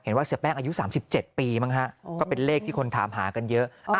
ว่าเสียแป้งอายุ๓๗ปีบ้างฮะก็เป็นเลขที่คนถามหากันเยอะ